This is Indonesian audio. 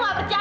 gak usah gr